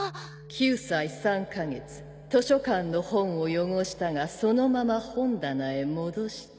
９歳３カ月図書館の本を汚したがそのまま本棚へ戻した。